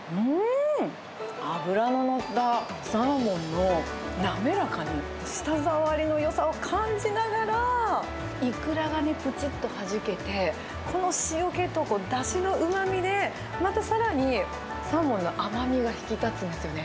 脂の乗ったサーモンの滑らかな舌触りのよさを感じながら、イクラがぷちっとはじけて、この塩気とだしのうまみで、またさらに、サーモンの甘みが引き立つんですよね。